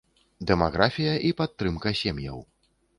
Дэмаграфія і падтрымка сем'яў.